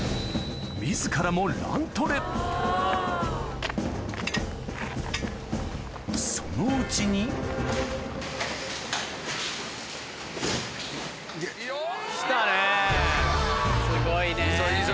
自らもラントレそのうちにきたねすごいね。